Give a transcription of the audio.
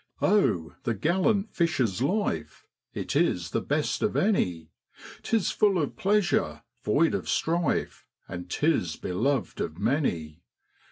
' Oh ! the gallant fisher's life. It is the best of any ; 'Tis full of pleasure, void of strife, And 'tis beloved of many.